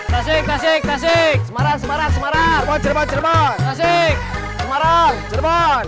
tasik tasik tasik semarang semarang semarang cerman cerman